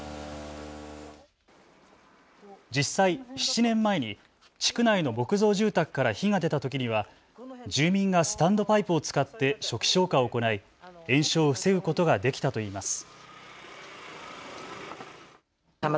実際、７年前に地区内の木造住宅から火が出たときには住民がスタンドパイプを使って初期消火を行い延焼を防ぐことができたといいます。